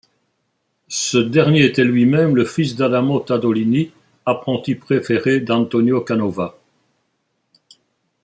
Ce dernier était lui-même le fils d'Adamo Tadolini, apprenti préféré d'Antonio Canova.